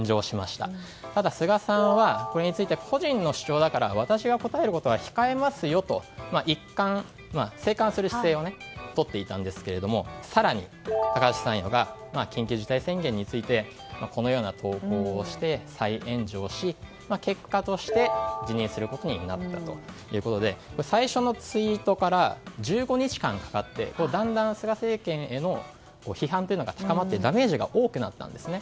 ただ菅さんは、これについて個人の主張だから私が答えることは控えますよと静観する姿勢をとっていたんですが更に高橋参与が緊急事態宣言についてこのような投稿をして再炎上し結果として辞任することになったということで最初のツイートから１５日間かかってだんだん菅政権への批判が高まってダメージが大きくなったんですね。